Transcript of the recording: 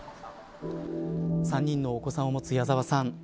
３人のお子さんを持つ矢沢さん